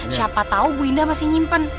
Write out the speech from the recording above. siapa tahu bu indah masih nyimpen